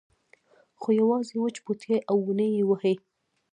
خو یوازې وچ بوټي او ونې یې وهي.